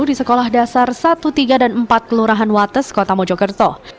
di sekolah dasar satu tiga dan empat kelurahan wates kota mojokerto